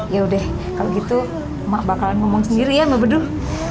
yaudah kalau gitu mak bakalan ngomong sendiri ya mbak beduh